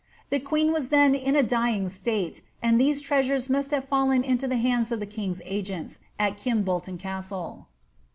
The queen was then in a dying state, and these treasures must have Mien into Uie hands of the king's agents at Kimbolton Castle.